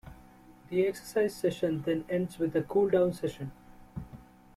The exercise session then ends with a cool down session.